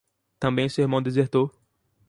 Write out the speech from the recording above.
Também seu irmão desertou.